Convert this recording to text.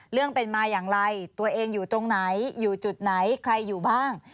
เรื่องเป็นมาอย่างไรตัวเองอยู่ตรงไหนอยู่จุดไหนใครอยู่บ้าง